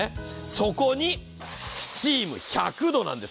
そこにスチーム１００度なんです。